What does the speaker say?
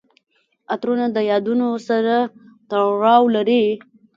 عطرونه د یادونو سره تړاو لري.